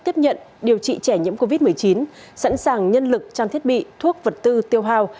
tiếp nhận điều trị trẻ nhiễm covid một mươi chín sẵn sàng nhân lực trang thiết bị thuốc vật tư tiêu hào